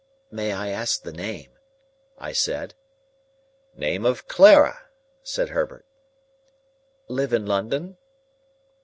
"May I ask the name?" I said. "Name of Clara," said Herbert. "Live in London?"